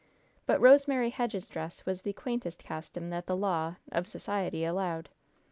But Rosemary Hedge's dress was the quaintest costume that the law of society allowed.